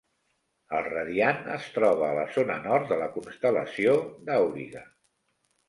El radiant es troba a la zona nord de la constel·lació d'Auriga.